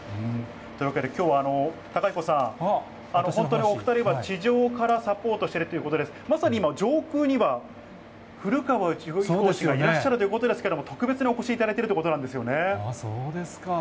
というわけで、きょうは貴彦さん、本当にお２人は地上からサポートしてるということで、まさに今、上空には、古川宇宙飛行士がいらっしゃるということですけども、特別にお越しいただいているということなんそうですか。